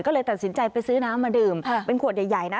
ก็เลยตัดสินใจไปซื้อน้ำมาดื่มเป็นขวดใหญ่นะ